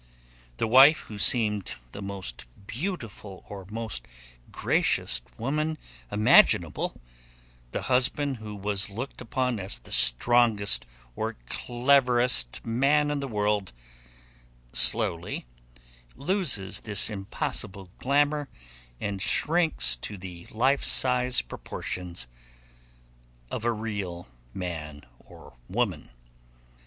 The wife who seemed the most beautiful or most gracious woman imaginable, the husband who was looked upon as the strongest or cleverest man in the world, slowly loses this impossible glamour and shrinks to the life size proportions of a real man or woman.